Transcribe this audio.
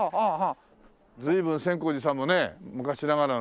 随分千光寺さんもね昔ながらの。